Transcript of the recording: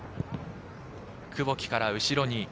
久保木から後ろに。